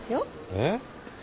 えっ？